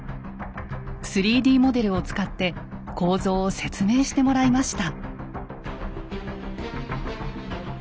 ３Ｄモデルを使って構造を説明してもらいました。